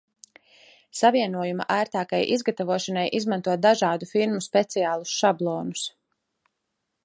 Savienojuma ērtākai izgatavošanai izmanto dažādu firmu speciālus šablonus.